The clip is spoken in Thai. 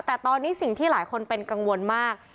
แต่ตอนนี้สิ่งที่หลายคนเป็นกังวลมาก